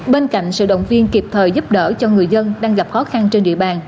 bên cạnh sự động viên kịp thời giúp đỡ cho người dân đang gặp khó khăn trên địa bàn